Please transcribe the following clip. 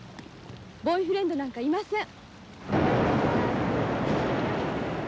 ボーイフレンドなんかいません。